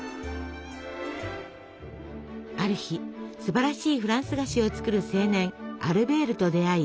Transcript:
ある日すばらしいフランス菓子を作る青年アルベールと出会い